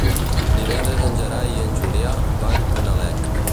Divendres en Gerai i en Julià van a Nalec.